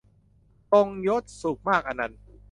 ทรงยศ สุขมากอนันต์